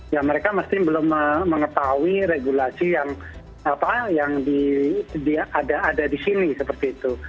ya mereka mesti belum mengetahui regulasi yang ada di sini seperti itu